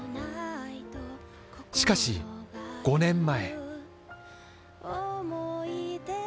しかし、５年前。